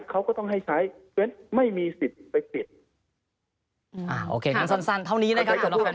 เขาก็ต้องให้ใช้เพราะฉะนั้นไม่มีสิทธิ์ไปปิด